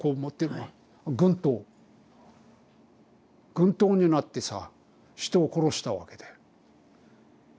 軍刀になってさ人を殺したわけだよ。